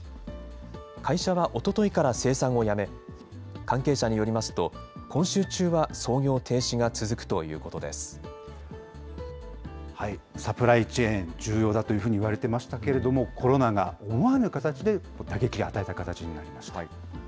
会社はおとといから生産をやめ、関係者によりますと、今週中は操サプライチェーン、重要だといわれていましたけれども、コロナが思わぬ形で打撃を与えた形になりました。